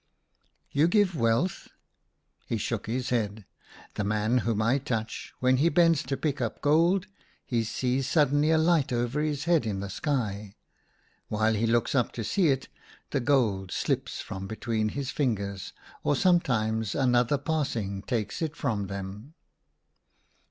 " You give wealth ?" He shook his head. " The man whom I touch, when he bends to pick M A DREAM OF WILD BEES. up gold, he sees suddenly a light over his head in the sky ; while he looks up to see it, the gold slips from between his fingers, or sometimes another pass ing takes it from them."